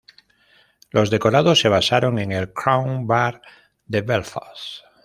Los decorados se basaron en el Crown Bar de Belfast.